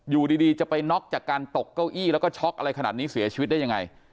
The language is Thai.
อยู่ดีจะไปน็อกจากการตกเก้าอี้แล้วก็ช็อกอะไรขนาดนี้เสียชีวิตได้ยังไง